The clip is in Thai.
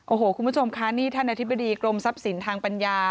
โอ้โหคุณผู้ชมคะนี่ท่านอธิบดีกรมทรัพย์สินทางปัญญา